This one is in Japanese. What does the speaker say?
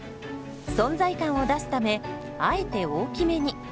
存在感を出すためあえて大きめに。